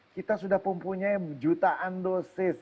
kita sudah mempunyai jutaan dosis